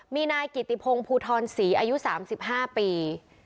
มีในกิติพงศ์พูทอนสีอายุ๓๕ปี